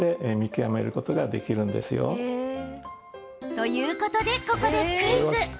ということで、ここでクイズ。